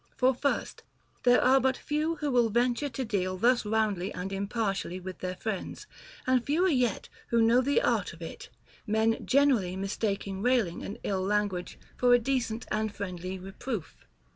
For first, there are but few who will venture to deal thus roundly and impartially with their friends, and fewer yet who know the art of it, men gener ally mistaking railing and ill language for a decent and friendly reproof.